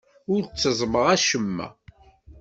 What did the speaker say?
Ur tteẓẓmeɣ acemma.